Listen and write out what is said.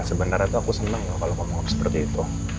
sebenarnya aku seneng kalau kamu ngomong seperti itu